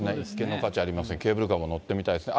行く価値ありますね、ケーブルカーも乗ってみたいですね。